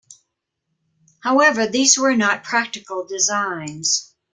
However, these were not practical designs.